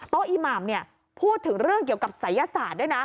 อีหม่ำพูดถึงเรื่องเกี่ยวกับศัยศาสตร์ด้วยนะ